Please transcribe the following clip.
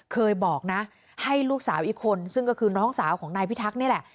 เคยบอกนะให้ลูกสาวอีกคนซึ่งก็คือน้องสาวของนายพิทักษ์นี่แหละ